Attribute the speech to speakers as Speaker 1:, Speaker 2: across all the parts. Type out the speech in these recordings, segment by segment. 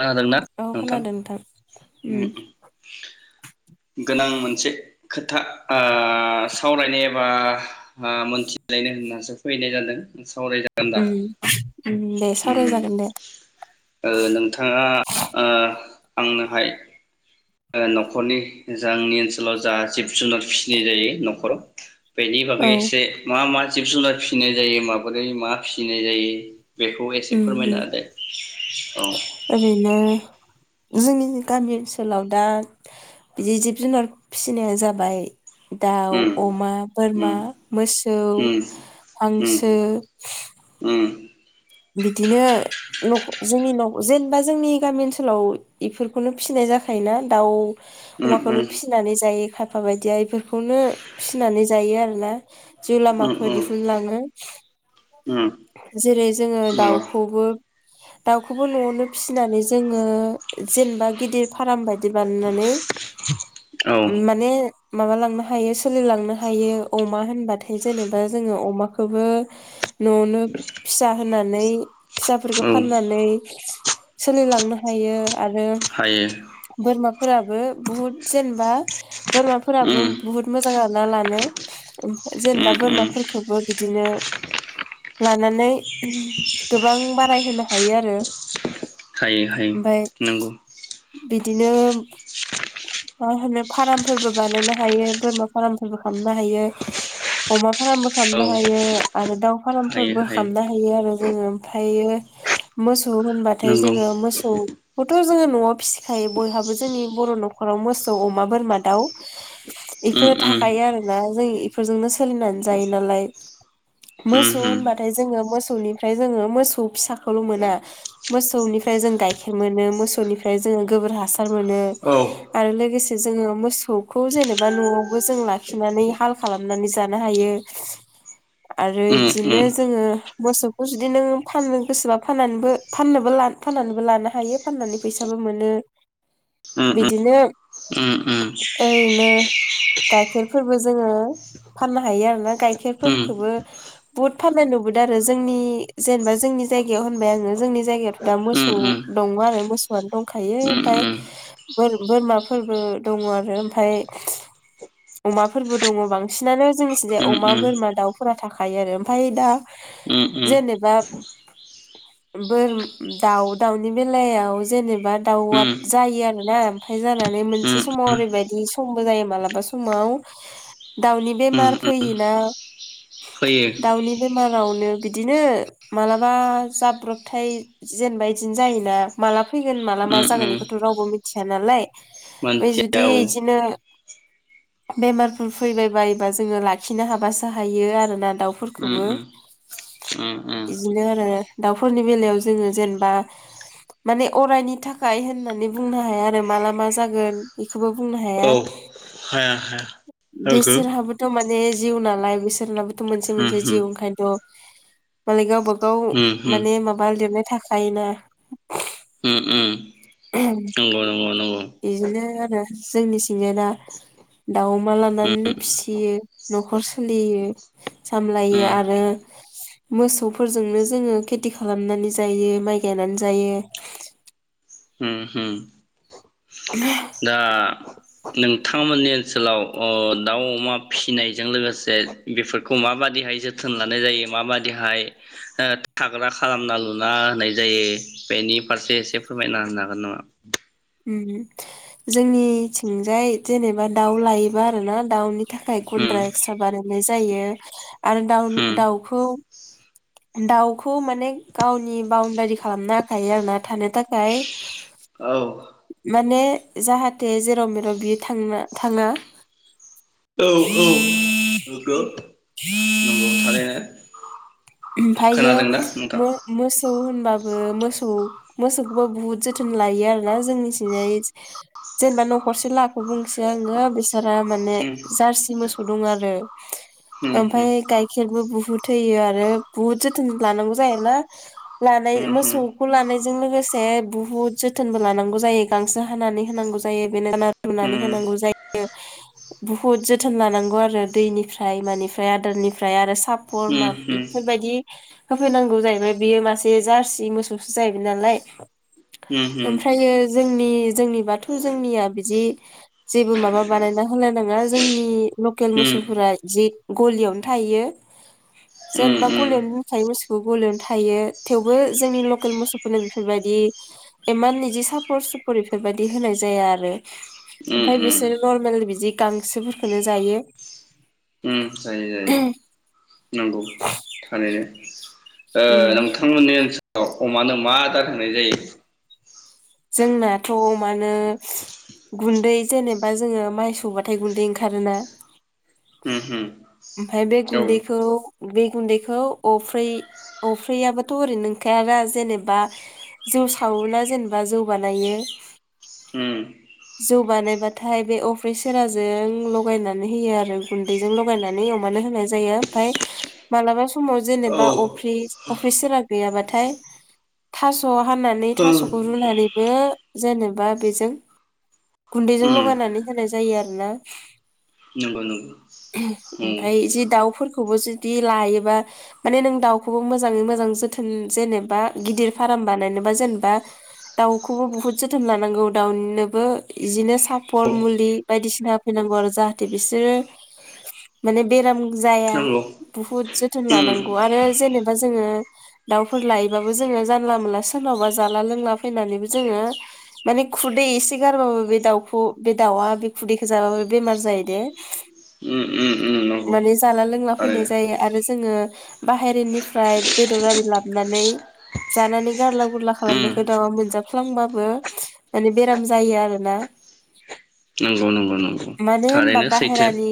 Speaker 1: खोदोंना
Speaker 2: औ
Speaker 1: नोंथां
Speaker 2: खोनादों
Speaker 1: ओम
Speaker 2: उम
Speaker 1: ओम गोनां मोनसे खोथा ओ सावरायनो एबा मोनथिलायनो होननासो फैनाय जादों सावरायजागोन दा
Speaker 2: ओम ओम दे सावराय
Speaker 1: उम
Speaker 2: जागोन दे
Speaker 1: ओ नोंथाङा ओ आंनोहाय ओ नखरनि जोंनि ओनसोलाव जा जिब जुनाद फिसिनाय जायो नखराव बेनि
Speaker 2: औ
Speaker 1: बागै एसे मा मा जिब जुुनार फिसिनाय जायो माबोरै मा फिसिनाय जायो बेखौ एसे
Speaker 2: उम उम
Speaker 1: फोरमायनो होदे औ
Speaker 2: ओरैनो जोंनि गामि ओनसोलाव दा बिदि जिब जुनार फिसिनाया जाबाय दाउ
Speaker 1: उम
Speaker 2: अमा
Speaker 1: उम
Speaker 2: बोरमा मोसौ
Speaker 1: उम उम
Speaker 2: हांसो
Speaker 1: उम
Speaker 2: बिदिनो न' जोंनि न' जेनेबा जोंनि गामि ओनसोलाव बेफोरखौनो फिसिनाय जाखायोना दाउ
Speaker 1: उम
Speaker 2: अमाखौनो
Speaker 1: उम
Speaker 2: फिसिनानै जायो खायफा बायदिया बेफोरखौनो फिसिनानै जायो आरोना जिउ लामााखो
Speaker 1: उम
Speaker 2: दिहुनलाङो
Speaker 1: उम
Speaker 2: जेरै जोङो
Speaker 1: औ
Speaker 2: दाउखौबो दाउखौबो न'आवनो फिसिनानै जोङो जेनेबा गिदिर फार्म बायदि बानायनानै
Speaker 1: औ
Speaker 2: माने माबालांनो हायो सोलिलांनो हायो अमा होनबाथाय जेनेबा जोङो अमाखौबो न'आवनो फिसा होनानै फिसाफोरखौ फाननानै सोलिलांनो हायो आरो
Speaker 1: हायो
Speaker 2: बोरमाफोराबो बहुद जेनेबा बोरमाफोराबो
Speaker 1: उम
Speaker 2: बुहुद मोजां आरोना लानो जेनेबा
Speaker 1: उम उम
Speaker 2: बोरमाफोरखौबो बिदिनो लानानै गोबां बाराय होनो हायो आरो
Speaker 1: हायो हायो
Speaker 2: ओमफाय
Speaker 1: नंगौ
Speaker 2: बिदिनो मा होनो फार्मफोरबो बानायनो हायो बोरमा फार्मफोरबो खालामनो हायो अमा फार्मबो
Speaker 1: औ
Speaker 2: खालामनो हायो आरो दाउ फार्मफोरबो खालामनो हायो आरो जोङो ओमफ्रायो मोसौ होनबाथाय
Speaker 1: नंगौ
Speaker 2: जोङो मोसौखौथ' जोङो न'आव फिसिखायो बयहाबो जोंनि बर' न'खराव मोसौ अमा बोरमा दाउ
Speaker 1: उम
Speaker 2: बेफोरो
Speaker 1: उम
Speaker 2: थाखायो आरोना जों इफोरजोंनो सोलिनानै जायो नालाय
Speaker 1: उम
Speaker 2: मोसौ
Speaker 1: उम
Speaker 2: होनबाथाय जोङो मोसौनिफ्राय जोङो मोसौ फिसाखौल' मोना मोसौनिफ्राय जों गाइखेर मोनो मोसौनिफ्राय जोङो गोबोर हासार मोनो
Speaker 1: औ
Speaker 2: आरो लोगोसे जोङो मोसौखौ जेनेबा न'आवबो जों लाखिनानै हाल खालामनानै जानो हायो आरो
Speaker 1: उम
Speaker 2: बिदिनो
Speaker 1: उम
Speaker 2: जोङो मोसौखौ जुदि नों फाननो गोसोबा फाननानैबो फाननोबो फाननानैबो लानो हायो फाननानै फैसाबो मोनो
Speaker 1: उम
Speaker 2: बिदिनो
Speaker 1: उम
Speaker 2: ओरैनो गाइखेरफोरबो जोङो फाननो हायो आरोना गाइखेरफोरखोबो बुहुद फाननाय नुबोदों आरो जोंनि जेनेबा जोंनि जायगायाव होनबाय आङो जोंनि जायगायावथ' दा मोसौ दङ आरो मोसौआनो दंखायो ओमफ्राय बोर-बोरमाफोरबो दङ आरो ओमफाय अमाफोरबो दङ बांसिनानो जोंनिथिंजाय अमा बोरमा दाउफोरा थाखायो आरो ओमफ्राय दा जेनेबा बोर दाउ दाउनि बेलायाव जेनेबा
Speaker 1: उम
Speaker 2: दाउआ जायो आरोना ओमफाय जानानै मोनसे समाव
Speaker 1: उम
Speaker 2: ओरैबायदि समबो जायो मालाबा समाव दाउनि बेमार
Speaker 1: उम
Speaker 2: फैयोना
Speaker 1: फैयो
Speaker 2: दाउनि बेमार रावनो बिदिनो मालाबा जाब्रबथाय जेनेबा बिदिनो जायोना माला फैगोन माला मा
Speaker 1: उम
Speaker 2: जागोन
Speaker 1: उम
Speaker 2: बेखौथ' रावबो मिथिया नालाय ओमफ्राय
Speaker 1: मानसिया
Speaker 2: जुदि
Speaker 1: औ
Speaker 2: बिदिनो बेमारफोर फैबाय बायोबा जोङो लाखिनो हाबासो हायो आरोना दाउ
Speaker 1: उम
Speaker 2: फोरखौबो
Speaker 1: उम उम उम
Speaker 2: इदिनो आरो दाउफोरनि बेलायाव जोङो जेनेबा माने अरायनि थाखाय होननानै बुंनो हाया आरो माला मा जागोन खौबो बुंनो हाया
Speaker 1: औ हाया हाया नंगौ
Speaker 2: बिसोरहाबोथ' माने जिउ नालाय बिसोर नाबोथ'
Speaker 1: उम
Speaker 2: मोनसे
Speaker 1: उम
Speaker 2: जिउ ओंखायनोथ' मालाय गावबा गाव
Speaker 1: उम
Speaker 2: माने
Speaker 1: उम
Speaker 2: माबा लिरनाय थाखायोना
Speaker 1: उम उम नंगौ नंगौ नंगौ
Speaker 2: जोंनि थिंजायना दाउ अमा लानानैनो फिसियो न'खर सोलियो
Speaker 1: उम
Speaker 2: सामलायो आरो मोसौफोरजोंनो जोङो खेथि खालामनानै जायो माइ गायनानै जायो।
Speaker 1: होम- होम दा नोंथांमोननि ओनसोलाव अ दाउ अमा फिसिनायजों लोगोसे बेफोरखौ माबादिहाय जोथोन लानाय जायो माबादिहाय ओ थाग्रा खालामना लुना होनाय जायो बेनि फारसे एसे फोरमायना होनो हागोन नामा?
Speaker 2: जोंनिथिंजाय जेनेबा दाउ लायोबा आरो ना दाउ [unintelligible]
Speaker 1: उम
Speaker 2: मोननाय जायो । आरो दाउ
Speaker 1: उम
Speaker 2: दाउखौ दाउखौ माने गावनि बाउणडारि खालामना होखायो आरोना थानो थाखाय ।
Speaker 1: औ
Speaker 2: माने जाहाथे जेराव मेराव बियो थांनो थाङा ।
Speaker 1: औ-औ नंगौ-नंगौ थारैनो ।
Speaker 2: ओमफ्रायो मो-मोसौ होनबा बो मोसौ मोसौखौबो बुहुत जोथोन लायो आरोना जोंनि थिंनाय जेनेबा न'खरसे लाखौ बुंसै आङो बि रा माने
Speaker 1: उम
Speaker 2: जारसि मोसौ हुदुं आरो
Speaker 1: उम
Speaker 2: ओमफ्राय गायखेरबो बुहुत थैयो आरो बहुत जोथोन लानांगौ जायो ना । लानाय
Speaker 1: उम
Speaker 2: मोसौखौ लानाय जों लोगोसे बुहुत जोथोनबो लानांगौ जायो गांसो हानानै होनांगौ जायो बेनो
Speaker 1: उम
Speaker 2: रुनानै होनांगौ जायो बुहुद जोथोन लानांगौ आरो दैनिफ्राय मानिफ्राय आदारनिफ्राय आरो सा
Speaker 1: होम-होम
Speaker 2: होफैनांगौ जाहैबाय बेयो मासे जारसि मोसौसो जाहैबाय नालाय।
Speaker 1: उम
Speaker 2: ओमफ्रायो जोंनि जोंनि बाथौ जोंनिया बिदि जेबो माबा बानायना होलायनाङा जोंनि लकेल
Speaker 1: उम
Speaker 2: मोसौफोरा जि गलियावनो थायो । जेनेबा
Speaker 1: उम उम
Speaker 2: गलियावनो दोनखायो मोसौखौ गलियावनो थायो थेवबो जोंनि लकेल मोसौफोरनो बेफोरबायदि इमान इदि साफर सुफुर बेफोरबायदि होनाय जाया आरो
Speaker 1: उम
Speaker 2: ओमफफ्राय
Speaker 1: उम
Speaker 2: बिसोर नर्मेल बिदि गांसोफोरखौनो जायो।
Speaker 1: नांगौ थारैनो ओ
Speaker 2: उम
Speaker 1: नोंथांमोननि ओनसोल औ अमानो मा आदार होननाय जायो?
Speaker 2: जोंनाथ' अमानो गुन्दै जेनेबा जोङो माइ सौबाथाय गुन्दै ओंखारोना?
Speaker 1: उम
Speaker 2: ओमफ्राय बे
Speaker 1: उम
Speaker 2: गुन्दैखौ बे गुन्दैखौ अफ्रै अफ्रैयाबोथ' ओरैनो नोंखायाना जेनेबा जौ सावोना जेनेब बा जौ बानायो जौ बानायबाथाय बे अफ्रि सेराजों लगायनानै होयो आरो गुन्दैजों लगायनानै अमानो होनाय जायो ओमफ्राय मालाबा समाव
Speaker 1: औ उम
Speaker 2: जेनेबा
Speaker 1: औ
Speaker 2: अफ्रि अफ्रि सेरा गैयाबाथाय थास' फाननानै थास'खौ रुनानै बे जेनेबा बेजों गुन्दैजों
Speaker 1: उम
Speaker 2: लगायनानै होनाय जायो आरोना
Speaker 1: नंगौ नंगौ
Speaker 2: ।
Speaker 1: उम
Speaker 2: ओमफ्राय जे दाउफोरखौबो जु दि लायोबा माने नों दाउखौबो मोजाङै मोजां जोथोन जेनेबा गिदिर फार्म बानायनोबा जेनेबा दाउखौबो बुहुत जोथोन लानांगौ दाउनि बो इजिनो सापर मलि बायदिसिना होफैनांगौ आरो जाहाथे बिसोरो मने बेराम जाया
Speaker 1: नंगौ
Speaker 2: बहुद जोथोन लानांगौ
Speaker 1: उम
Speaker 2: आरो जेनेबा जोङो दाउफोर लायोबाबो जोङो जानला मोनला सोरनावबा जाला लोंला फैनानैबो जोङो माने खुदै एसे गारबाबो बे दाउखौ बे दाउआ बे खुदैखौ जाबो बेमार जायो दे
Speaker 1: उम उम उम नंगौ
Speaker 2: माने जाला लोंला फैनाय
Speaker 1: थारैनो
Speaker 2: जायो आरो जोङो बाहेरनिफ्राय बेदर आरि लाबनानै जानानै गारला गुरला खालामनायखौ
Speaker 1: उम
Speaker 2: दाउआ मोनजाफ्लांबाबो माने बेराम जायो आरोना।
Speaker 1: नंगौ नंगौ नंगौ
Speaker 2: मानो होनबा
Speaker 1: थारैनो सैथो
Speaker 2: बाहेरानि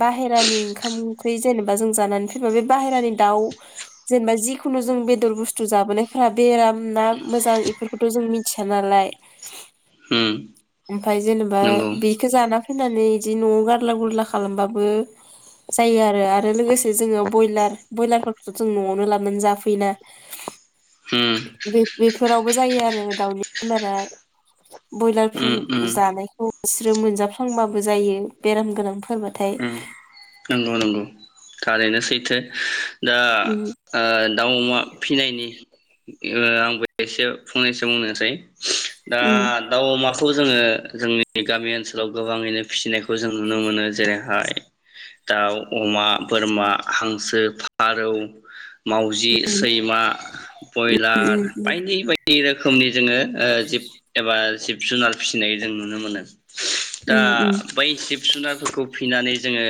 Speaker 2: बाहेरानि ओंखाम ओंख्रि जेनेबा जों जानानै फैबा बे बाहेरानि दाउ जेनेबा जिखुनु जों बेदर बुस्थु जाबोनायफोरा बेराम ना मोजां इफोरखौथ' जों मिथिया नालाय।
Speaker 1: उम
Speaker 2: ओमफ्राय जेनेबा
Speaker 1: नंगौ
Speaker 2: बेखौ जाना फैनानै इदि न'आव गारला गुरला खालामबाबो जायो आरो आरो लोगोसे जोङो बयलार बयलारफोरखौथ' जों न'आवनो लाबनानै जाफैयोना
Speaker 1: उम
Speaker 2: बे बेफोरावबो जायो आरो दाउनि बेमारा। बयलारफोर
Speaker 1: उम उम
Speaker 2: जानायखौ बिसोरो मोनजाफ्लांबाबो जायो बेराम गोनांफोरबाथाय।
Speaker 1: उम नंगौ नंगौ थारैनो सैथो। दा
Speaker 2: उम
Speaker 1: ओ दाउ अमा फिनायनि ओ आंबो एसे फंनैसो बुंनोसै। दा
Speaker 2: उम
Speaker 1: दाउ, अमा खौ जोङो जोंनि गामि ओनसोलाव गोबाङैनो फिसिनायखौ जों नुनो मोनो जेरैहाय दाउ, अमा, बोरमा, हांसो, फारौ, मावजि, सैमा,
Speaker 2: उम
Speaker 1: बयलार बायदि बायदि दि रोखोमनि जोङो ओ जिब एबा जिब जुनार फिसिनाय जों नुनो मोनो। दा
Speaker 2: उम उम
Speaker 1: बै जिब जुनारफोरखौ फिनानै जोङो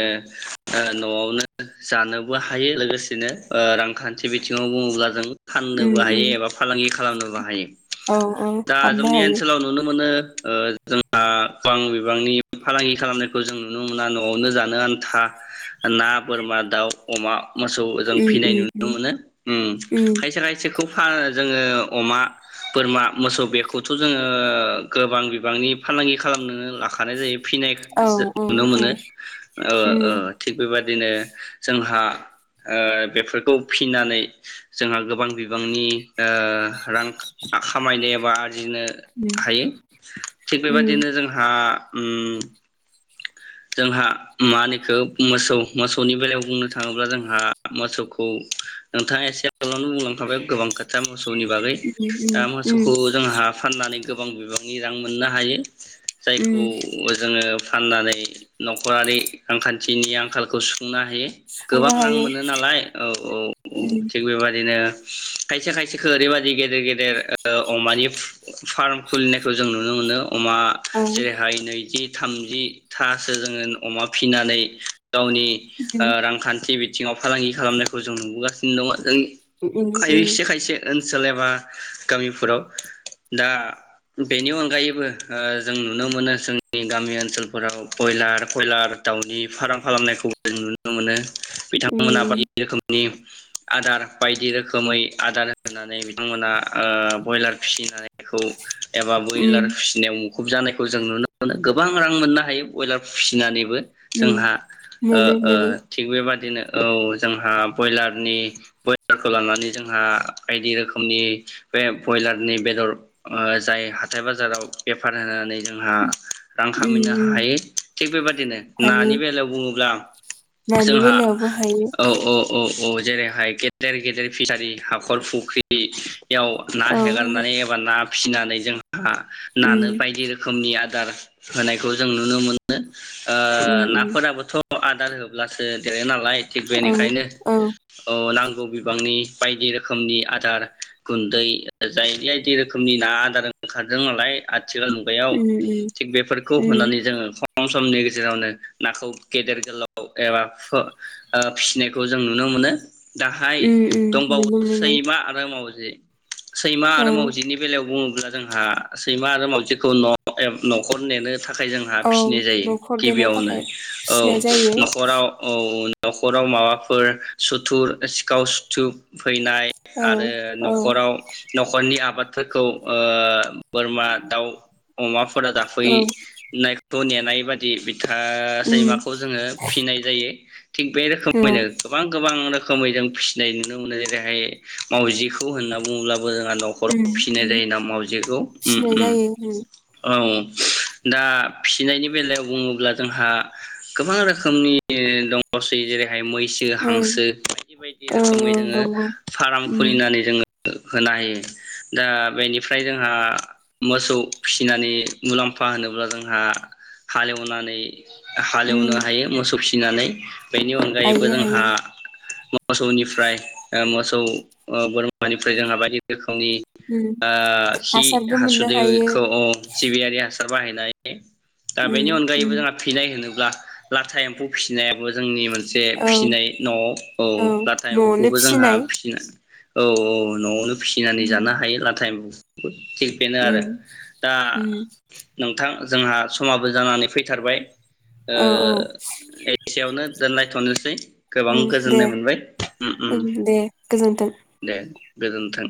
Speaker 1: न'आवनो जानोबो हायो लोगोसेनो ओ रांखान्थि बिथिङाव बुङोब्ला जों फाननोबो
Speaker 2: उम उम
Speaker 1: हायो एबा फालांगि खालामनोबो हायो।
Speaker 2: औ औ
Speaker 1: दा
Speaker 2: हाबनो
Speaker 1: जोंनि
Speaker 2: हायो
Speaker 1: ओनसोलाव नुनो मोनो ओ जोंहा गोबां बिबांनि फालांगि खालामनायखौ जों नुनो मोना न'आवनो जानो आन्था ना बोरमा, दाउ, अमा, मोसौ, जों
Speaker 2: उम
Speaker 1: फिनाय
Speaker 2: उम
Speaker 1: नुनो
Speaker 2: उम
Speaker 1: मोनो उम खायसे खायसेखौ जोङो अमा, बोरमा, मोसौ बेखौथ' जोङो ओ गोबां बिबांनि फालांगि खालामनोनो लाखानाय जायो। फिनायफोरखो
Speaker 2: औ
Speaker 1: जों
Speaker 2: औ
Speaker 1: नुनो
Speaker 2: औ उम
Speaker 1: मोनो ओ ओ थिख बेबादिनो जोंहा ओ बेफोरखौ फिनानै जोंहा गोबां बिबांनि ओ रां खामायनो एबा आरजिनो
Speaker 2: उम
Speaker 1: हायो थिग
Speaker 2: उम उम
Speaker 1: बेबादिनो जोंहा उम जोंहा मा होनो इखौ मोसौ मोसौनि बेलायाव बुंनो थाङोब्ला जोंहा मोसौखौ नोंथाङा एसे आगोलावनो बुंलांखाबाय गोबां खोथा मोसौ नि बागै दा
Speaker 2: उम
Speaker 1: मोसौखौ जोंहा फाननानै गोबां बिबांनि रां मोननो हायो। जायखौ
Speaker 2: उम
Speaker 1: जोङो फाननानै न'खरारि रांखान्थिनि आंखाल खौ सुुंफुंनो हायो। गोबां
Speaker 2: थांनो
Speaker 1: रां
Speaker 2: हायो
Speaker 1: मोनो नालाय औ औ औ
Speaker 2: उम
Speaker 1: थिग बेबादिनो खायसे खायसेखौ ओरैबादि गेदेर गेदेर ओ अमानि फार्म खुलिनायखौ जों नुनो मोनो। अमा
Speaker 2: औ उम
Speaker 1: जेरेहाय नैजि थामजिथासो जोङो अमा फिनानै गावनि ओ रांखान्थि बिथिङाव फालांगि खालामनायखौ जों नुबोगासिनो दङ! जों
Speaker 2: उम उम
Speaker 1: खायसे खायसे ओनसोल एबा गामिफोराव दा बेनि अनगायैबो ओ जों नुनो मोनो जोंनि गामि ओनसोलफोराव बयलार कयलार दाउनि फार्म खालामनायखौबो जों नुनो मोनो बिथांमोना
Speaker 2: उम
Speaker 1: बायदि रोखोमनि आदार बायदि रोखोमै आदार होनानै बिथांमोना ओ ब्रयलार फिसिनायखौ एबा ब्रयलार
Speaker 2: उम
Speaker 1: फिसिनायाव म खुब जानायखौ जों नुनो मोनो गोबां रां मोननो हायो बयलार फिसिनानैबो
Speaker 2: उम
Speaker 1: जोंहा। ओ
Speaker 2: मोनो
Speaker 1: ओ
Speaker 2: मोनो
Speaker 1: थिग बेबा बिदिनो औ जोंहा बयलारनि बयलारखौ लानानै जोंहा बायदि रोखोमनि बे ब्रयलारनि बेदर ओ जाय हाथाय बाजाराव बेफार होनानै जोंहा रां खामायनो
Speaker 2: उम उम
Speaker 1: हायो थिग बेबदिनो
Speaker 2: हायो
Speaker 1: नानि बेलायाव बुङोब्ला
Speaker 2: नानि
Speaker 1: जोंहा
Speaker 2: बेलायावबो हायो
Speaker 1: औ औ औ। औ औ जेरैहाय गेदेर गेदेर फिसारि हाखर फुख्रि याव ना
Speaker 2: औ उम
Speaker 1: हेगारनानै एबा फिसिनानै जों हा नानो बायदि रोखोमनि आ आदार होनायखौ जों नुनो मोनो ओ
Speaker 2: उम उम
Speaker 1: नाफोरा बो अ आदार होब्लासो देरो ना लाय थेग
Speaker 2: औ
Speaker 1: बेनिखायनो
Speaker 2: औ
Speaker 1: औ नां गौ बिबांनि बायदि रोखोमनि आदार गुन्दै जायदि बायदि रोखोमनि ना आदार ओंखारदों नालाय आथ थिखाल मुगायाव
Speaker 2: उम
Speaker 1: थिग बेफोरखौ
Speaker 2: उम
Speaker 1: होननानै जोङो खम सम समनि गेजेरावनो नाखौ गेदेर गोलाव एबा फु ओ फिसिनायखौ जों नुनो मोनो। दाहाय
Speaker 2: उम उम
Speaker 1: दंबावो
Speaker 2: मोनो मोनो
Speaker 1: सैमा आरो मावजि। जे सैमा
Speaker 2: औ
Speaker 1: आरो मावजिनि बेलायाव बुङोब्ला जोंहा सैमा आरो मावजिखौ न' एब नखर नेनो थाखाय जोंहा
Speaker 2: औ
Speaker 1: फिसिनाय जायो
Speaker 2: न'खर दैनो
Speaker 1: गिबियावनो।
Speaker 2: थाखाय
Speaker 1: औ
Speaker 2: फिसिनाय जायो
Speaker 1: नखराव औ। नखराव माबाफोर सुथुर सिखाव सुथु फैनाय
Speaker 2: औ
Speaker 1: आरो
Speaker 2: औ
Speaker 1: नखराव नखरनि आबाद फोरखौ ओ बोरमा, दाउ अमाफो फोरा
Speaker 2: औ
Speaker 1: जाफैनायखौ नेनाय बायदि बिद था
Speaker 2: उम
Speaker 1: सैमा खौ जोङो फिनाय जायो। थिग बे
Speaker 2: औ
Speaker 1: रोखोमैनो गोबां गोबां रोख खोमै जों फिसिनाय नुनो मोनो जेरैहाय मावजिखौ होनना बुङोब्ला बो जोंहा
Speaker 2: उम
Speaker 1: नखराव फिसिनाय
Speaker 2: उम
Speaker 1: जायोना मावजिखौ उम
Speaker 2: फिसिनाय
Speaker 1: उम
Speaker 2: जायो उम
Speaker 1: औ। दा फिसिनायनि बेलायाव बुङोब्ला जोंहा गोबां रोखोमनि दङसै जेरै मैसो,
Speaker 2: ओं
Speaker 1: हांसो बायदि बायदि
Speaker 2: औ
Speaker 1: रोखोमै
Speaker 2: औ
Speaker 1: जोङो
Speaker 2: नंगौ
Speaker 1: फाराम
Speaker 2: उम
Speaker 1: खुलिनानै जोङो होनायो दा बेनिफ्राय जोंहा मोसौ फिसिनानै मुलाम्फा होनोब्ला जोंहा हालेवनानै
Speaker 2: उम
Speaker 1: हालेवनो हायो मोसौ फिसि फिनानै। बेनि अनगायैबो
Speaker 2: हायो
Speaker 1: जोंहा
Speaker 2: हायो
Speaker 1: मोसौनिफ्राय ओ मोसौ ओ बोरमानिफ्राय जोंहा बायदि रोखोम अनि
Speaker 2: उम
Speaker 1: ओ हि
Speaker 2: हासारबो मोननो हायो
Speaker 1: हासुदैखौ सिबियारि हास सार बाहयनाय दा
Speaker 2: उम
Speaker 1: बेनि
Speaker 2: उम
Speaker 1: अनगायैबो जोंहा थैनाय होनो ला लाथा एम्फौ फिसिनायाबो जोंनि मोन से
Speaker 2: औ
Speaker 1: फिसिनाय न औ लाथा
Speaker 2: न'आवनो
Speaker 1: एम्फौखौबो जोंहा
Speaker 2: फिसिनाय
Speaker 1: फिसिनो औ औ न फिसिनानै
Speaker 2: उम
Speaker 1: जानो हायो लाथा एम [unintelligible] थिग बेनो आरो
Speaker 2: उम
Speaker 1: दा
Speaker 2: उम
Speaker 1: नोंथां जोंहा समाबो जानानै फैथारबाय ओ
Speaker 2: औ औ
Speaker 1: एतसेयावनो दोनलायथनोसै गोबां
Speaker 2: उम दे
Speaker 1: गोजोननाय मोनबाय
Speaker 2: उम दे गोजोन्थों
Speaker 1: दे गोजोन्थों